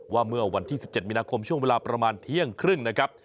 ว่าเมื่อวันที่๑๗มีนาคมช่วงเวลาประมาณเที่ยงครึ่งนะครับ